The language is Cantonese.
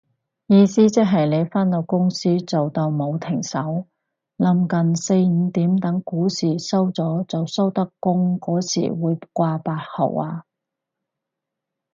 意思即係你返到公司做到冇停手，臨近四五點等股市收咗就收得工嗰時會掛八號啊